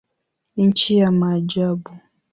Nchi ya maajabu.